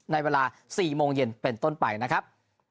ในเวลา๔โมงเย็นเป็นต้นไปนะครับ